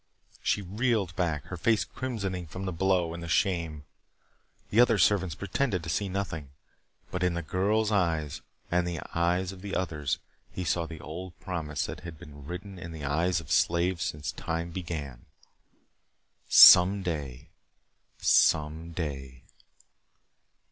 She reeled back, her face crimsoning from the blow and the shame. The other servants pretended to see nothing. But in the girl's eyes and in the eyes of the others he saw the old promise that had been written in the eyes of slaves since time began: "Some Day! Some Day!"